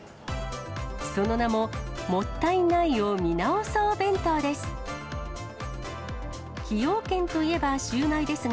その名も、もったいないを見直そう弁当です。